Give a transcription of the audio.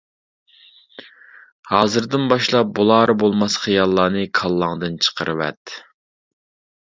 ھازىردىن باشلاپ بولار بولماس خىياللارنى كاللاڭدىن چىقىرىۋەت.